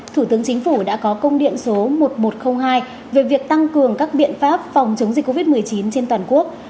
thủ tướng chính phủ đã có công điện số một nghìn một trăm linh hai về việc tăng cường các biện pháp phòng chống dịch covid một mươi chín trên toàn quốc